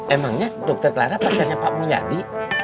emangnya dokter clara pacarnya pak mulyadi